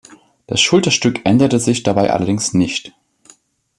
Das Schulterstück änderte sich dabei allerdings nicht.